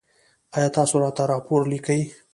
ایا تاسو راته راپور لیکئ؟